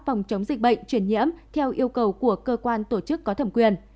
phòng chống dịch bệnh truyền nhiễm theo yêu cầu của cơ quan tổ chức có thẩm quyền